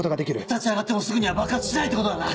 立ち上がってもすぐには爆発しないってことだな。